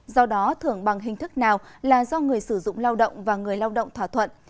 do đó thưởng bằng hình thức nào là do người sử dụng lao động và người lao động thỏa thuận